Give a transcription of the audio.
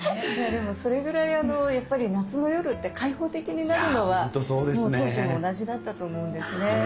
でもそれぐらいやっぱり夏の夜って開放的になるのは当時も同じだったと思うんですね。